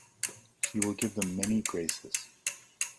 She will give them many graces.